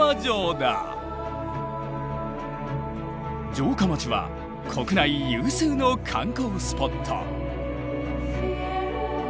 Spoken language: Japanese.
城下町は国内有数の観光スポット。